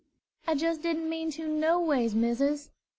"I just didn't mean to, noways, missus.